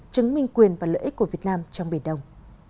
chứng minh quyền và lợi ích của việt nam trong biển đông